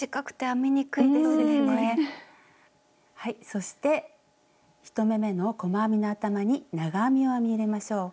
そして１目めの細編みの頭に長編みを編み入れましょう。